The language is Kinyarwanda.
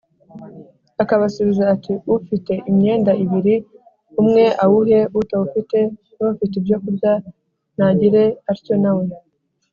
Akabasubiza ati, “Ufite imyenda ibiri umwe awuhe utawufite, n’ufite ibyo kurya nagire atyo na we.